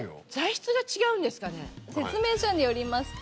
説明書によりますと。